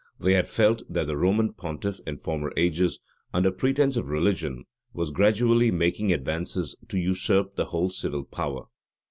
They had felt that the Roman pontiff, in former ages, under pretence of religion, was gradually making advances to usurp the whole civil power.